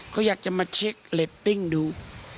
เขาอยากจะมาเช็คเรตติ้งดู